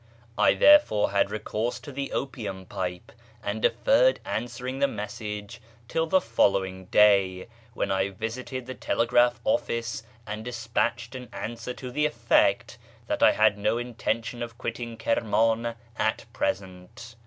I there fore had recourse to the opium pipe, and deferred answering the message till the following day, when I visited the tele graph office and despatched an answer to the effect that I had no intention of quitting Kirman at present.